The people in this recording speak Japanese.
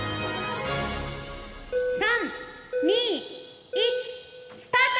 ３２１スタート！